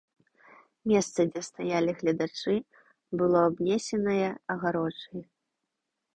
Месца, дзе стаялі гледачы, было абнесенае агароджай.